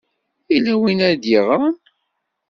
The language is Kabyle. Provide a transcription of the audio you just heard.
Yella win ay d-yeɣran.